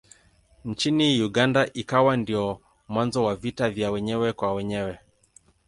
Nchini Uganda ikawa ndiyo mwanzo wa vita vya wenyewe kwa wenyewe.